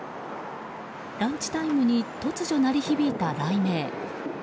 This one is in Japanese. ランチタイムに突如鳴り響いた雷鳴。